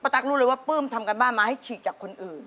หรือจะขำดีหรือ